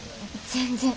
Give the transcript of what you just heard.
全然。